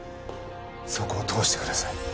そこを通してください。